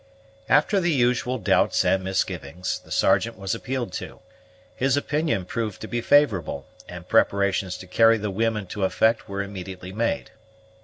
After the usual doubts and misgivings, the Sergeant was appealed to; his opinion proved to be favorable, and preparations to carry the whim into effect were immediately made.